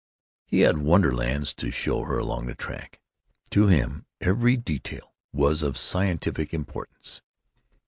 He had wonderlands to show her along the track. To him every detail was of scientific importance.